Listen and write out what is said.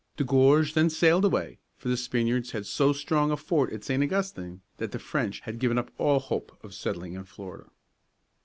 De Gourgues then sailed away, for the Spaniards had so strong a fort at St. Augustine that the French had given up all hope of settling in Florida.